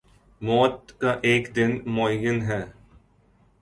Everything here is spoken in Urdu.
موت کا ایک دن معین ہے